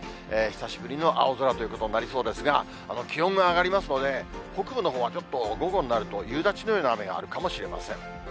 久しぶりの青空ということになりそうですが、気温が上がりますので、北部のほうはちょっと午後になると、夕立のような雨があるかもしれません。